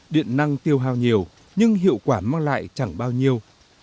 điện năng tiêu hào nhiều nhưng hiệu quả mang lại chẳng bao nhiêu